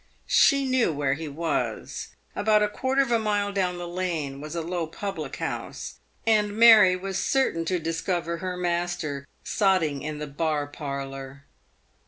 She knew where he was. About a quarter of a mile down the lane was a low public house, and Mary was certain to discover her master sotting in the bar parlour.